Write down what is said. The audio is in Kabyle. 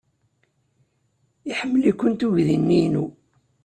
Iḥemmel-ikent uydi-inu.